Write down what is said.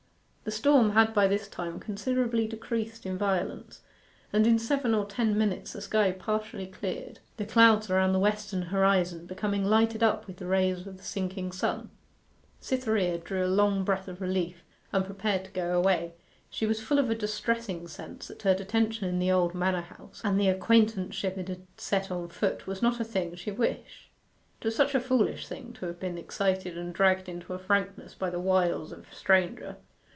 The storm had by this time considerably decreased in violence, and in seven or ten minutes the sky partially cleared, the clouds around the western horizon becoming lighted up with the rays of the sinking sun. Cytherea drew a long breath of relief, and prepared to go away. She was full of a distressing sense that her detention in the old manor house, and the acquaintanceship it had set on foot, was not a thing she wished. It was such a foolish thing to have been excited and dragged into frankness by the wiles of a stranger.